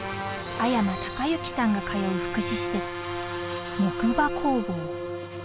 阿山隆之さんが通う福祉施設木馬工房。